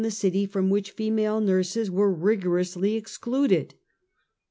the city from which female nurses were rigorously ex clud ed.